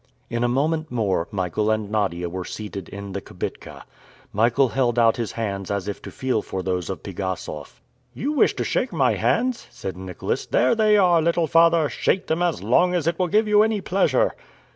In a moment more, Michael and Nadia were seated in the kibitka. Michael held out his hands as if to feel for those of Pigassof. "You wish to shake my hands!" said Nicholas. "There they are, little father! shake them as long as it will give you any pleasure."